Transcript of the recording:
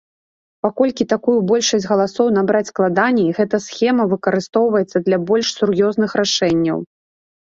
Паколькі такую большасць галасоў набраць складаней, гэта схема выкарыстоўваецца для больш сур'ёзных рашэнняў.